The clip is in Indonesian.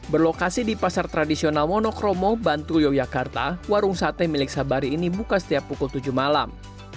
berlokasi di pasar tradisional wonokromo bantul yogyakarta warung sate milik sabari ini buka setiap pukul tujuh malam